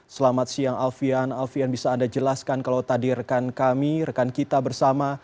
selamat siang alfian alfian bisa anda jelaskan kalau tadi rekan kami rekan kita bersama